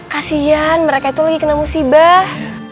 kasian mereka itu lagi kena musibah